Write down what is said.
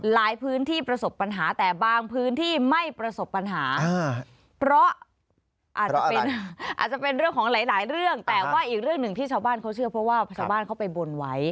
และเป็นพื้นที่รับน้ำ